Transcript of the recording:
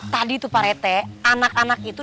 tadi tuh pak rete anak anak itu